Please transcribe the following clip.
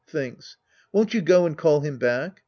(Thinks.) Won't you go and call him back?